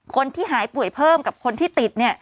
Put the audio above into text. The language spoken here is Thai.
คนที่หายป่วยเพิ่มกับคนที่ติดเนี่ย